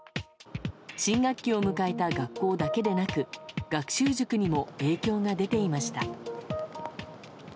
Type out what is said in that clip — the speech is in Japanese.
新学期を迎えた学校だけでなく学習塾にも影響が出ていました。